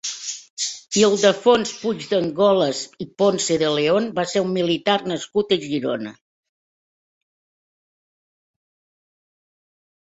Ildefons Puigdengolas i Ponce de León va ser un militar nascut a Girona.